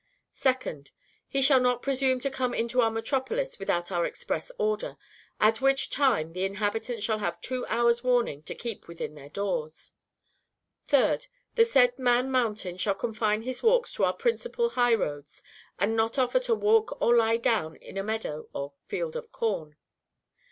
2d. He shall not presume to come into our metropolis without our express order; at which time the inhabitants shall have two hours' warning to keep within their doors. 3d. The said Man Mountain shall confine his walks to our principal high roads, and not offer to walk or lie down in a meadow or field of corn.